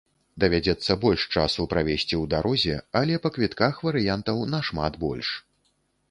Давядзецца больш часу правесці ў дарозе, але па квітках варыянтаў нашмат больш.